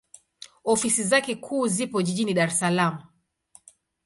Ofisi zake kuu zipo Jijini Dar es Salaam.